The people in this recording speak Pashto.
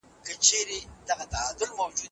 په لاس لیکل د روښانه او پرمختللي ژوند پیلامه ده.